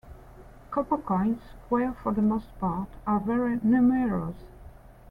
Copper coins, square for the most part, are very numerous.